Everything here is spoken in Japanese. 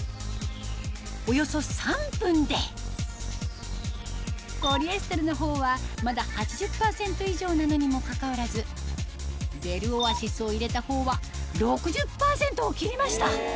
およそ３分でポリエステルの方はまだ８０％以上なのにもかかわらずベルオアシスを入れた方は６０％を切りました